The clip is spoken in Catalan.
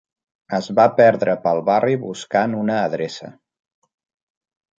Es va perdre pel barri buscant una adreça.